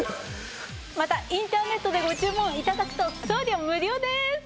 またインターネットでご注文頂くと送料無料です！